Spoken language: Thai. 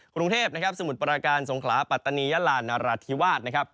กรุงเทพนะครับสมุทรปราการสงขลาปัตตานียาลานราธิวาสนะครับ